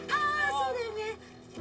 そうだよね。